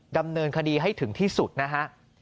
ดำเนินคดีให้ถึงที่สุดนะฮะ